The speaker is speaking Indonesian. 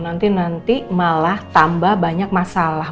nanti nanti malah tambah banyak masalah